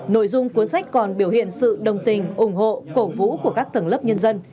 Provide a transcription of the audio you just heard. nội dung cuốn sách còn biểu hiện sự đồng tình ủng hộ cổ vũ của các tầng lớp nhân dân